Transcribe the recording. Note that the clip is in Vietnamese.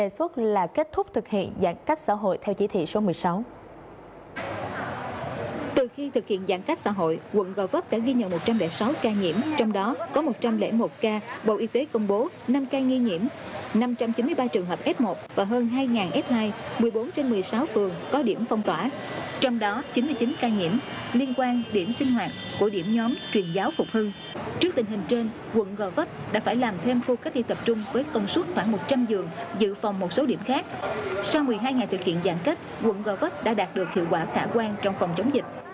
sau một mươi hai ngày thực hiện giãn cách quận gò vấp đã đạt được hiệu quả thả quan trong phòng chống dịch